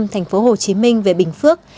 thành phố hồ chí minh về bình phước